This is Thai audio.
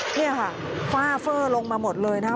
นี่ค่ะฝ้าเฟอร์ลงมาหมดเลยนะครับ